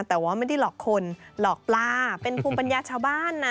แต่ว่าไม่ได้หลอกคนหลอกปลาเป็นภูมิปัญญาชาวบ้านนะ